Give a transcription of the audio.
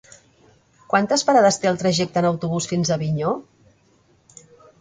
Quantes parades té el trajecte en autobús fins a Avinyó?